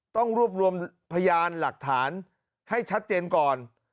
ต้องรวบรวมพยานหลักฐานให้ชัดเจนก่อน